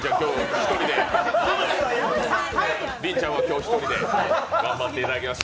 りんちゃん、今日は１人で頑張っていただきます。